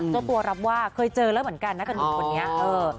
ตัวตัวรับว่าเคยเจอแล้วเหมือนกันน่ะกับหนูคนนี้